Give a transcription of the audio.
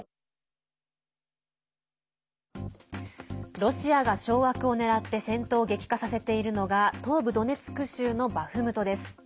ロシアが掌握をねらって戦闘を激化させているのが東部ドネツク州のバフムトです。